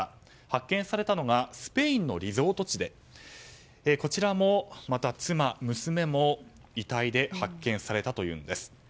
発見されたのがスペインのリゾート地でこちらもまた妻、娘も遺体で発見されたというんです。